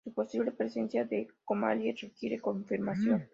Su posible presencia en Somalia requiere confirmación.